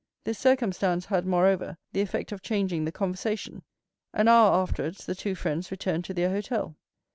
This circumstance had, moreover, the effect of changing the conversation; an hour afterwards the two friends returned to their hotel.